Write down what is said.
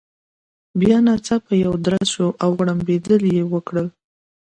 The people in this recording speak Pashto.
بیا ناڅاپه یو درز شو، او غړمبېدل يې وکړل.